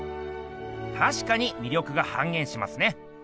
たしかにみりょくが半げんしますね。